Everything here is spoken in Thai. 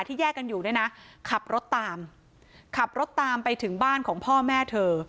แยกกันอยู่เนี่ยนะขับรถตามขับรถตามไปถึงบ้านของพ่อแม่เธอ